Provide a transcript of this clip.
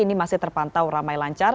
ini masih terpantau ramai lancar